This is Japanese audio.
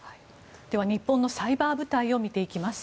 では、日本のサイバー部隊を見ていきます。